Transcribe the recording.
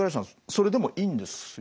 それでもいいんですよね？